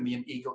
bisa menjadi ego